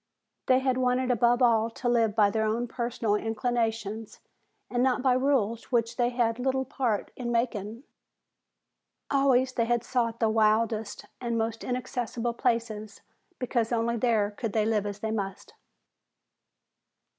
They had wanted above all to live by their own personal inclinations and not by rules which they had little part in making. Always they had sought the wildest and most inaccessible places because only there could they live as they must.